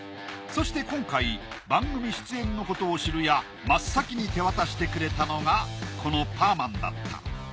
そして今回番組出演のことを知るや真っ先に手渡してくれたのがこのパーマンだった。